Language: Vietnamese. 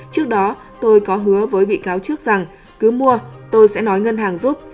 trước đó tôi có hứa với bị cáo trước rằng cứ mua tôi sẽ nói ngân hàng giúp